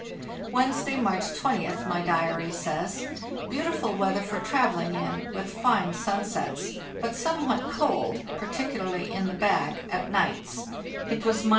Wednesday, March 20th, my diary says: " Beautiful weather for travelling in, with fine sunsets; but somewhat cold, particularly in the bag, at nights (it was —41.